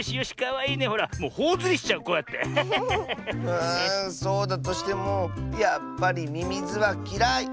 うんそうだとしてもやっぱりミミズはきらい！